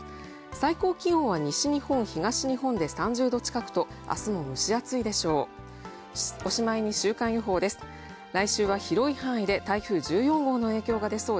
最高気温は西日本、東日本で３０度近くと明日も蒸し暑いでしょう。